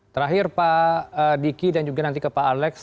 terakhir pak diki dan juga nanti ke pak alex